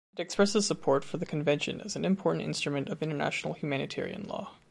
It expresses support for the Convention as an important instrument of international humanitarian law.